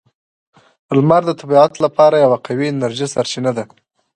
• لمر د طبیعت لپاره یوه قوی انرژي سرچینه ده.